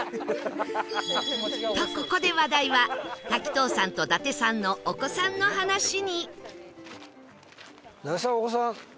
とここで話題は滝藤さんと伊達さんのお子さんの話に